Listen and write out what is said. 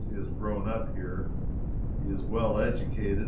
He has grown up here. He is well educated.